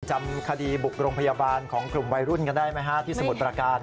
จำคดีบุกโรงพยาบาลของกลุ่มวัยรุ่นกันได้ไหมฮะที่สมุทรประการ